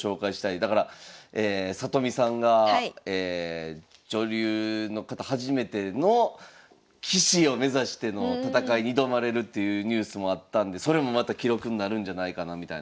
だから里見さんが女流の方初めての棋士を目指しての戦いに挑まれるっていうニュースもあったんでそれもまた記録になるんじゃないかなみたいな。